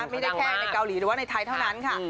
ไม่ได้แค่ในเกาหลีหรือว่าในไทยเท่านั้นค่ะ